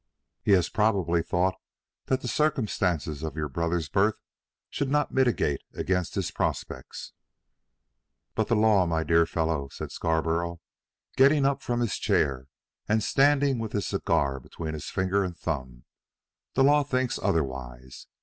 "He has probably thought that the circumstances of your brother's birth should not militate against his prospects." "But the law, my dear fellow," said Scarborough, getting up from his chair and standing with his cigar between his finger and thumb, "the law thinks otherwise.